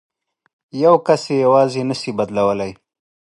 یو کس یې یوازې نه شي بدلولای.